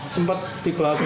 sempat di belakang